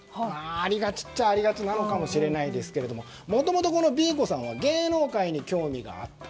ありがちっちゃありがちなのかもしれませんがもともとＢ子さんは芸能界に興味があった。